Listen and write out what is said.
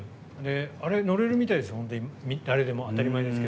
あれ、乗れるみたいです。